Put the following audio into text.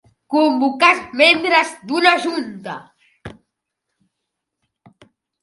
Convocar els membres d'una junta.